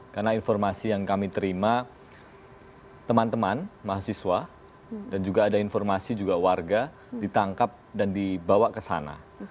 karena informasi yang kami terima teman teman mahasiswa dan juga ada informasi juga warga ditangkap dan dibawa ke sana